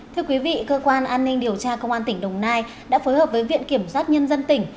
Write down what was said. thưa quý vị cơ quan an ninh điều tra công an tỉnh đồng nai đã phối hợp với viện kiểm soát nhân dân tỉnh